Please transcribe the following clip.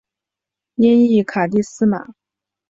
音译卡蒂斯玛。